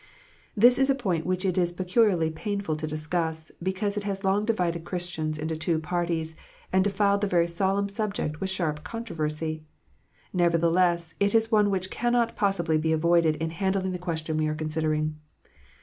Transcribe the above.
This is a point which it is peculiarly painful to discuss, because it has long divided Christians into two parties, and defiled a very solemn subject with sharp controversy. Never theless, it is one which cannot possibly be avoided in handling the question we are considering.